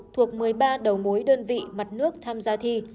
thuộc một mươi ba đầu mối đơn vị mặt nước tham gia thi